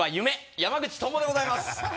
山口トンボでございます。